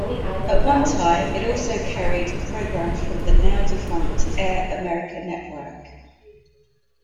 At one time it also carried programs from the now-defunct Air America network.